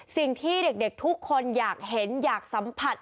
สิ่งที่เด็กทุกคนอยากเห็นอยากสัมผัส